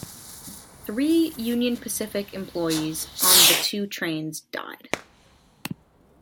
Three Union Pacific employees on the two trains died.